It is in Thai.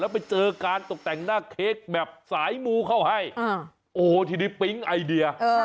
ไปเจอการตกแต่งหน้าเค้กแบบสายมูเข้าให้โอ้โหทีนี้ปิ๊งไอเดีย